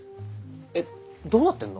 えっどうなってんの？